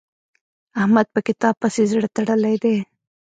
احمد په کتاب پسې زړه تړلی دی.